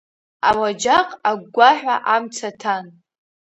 Ауаџьаҟ агәгәаҳәа амца ҭан.